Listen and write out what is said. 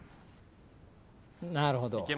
なるほど。